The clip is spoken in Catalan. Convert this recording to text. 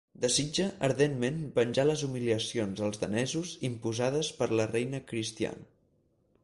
Desitja ardentment venjar les humiliacions als danesos imposades per la reina Cristian.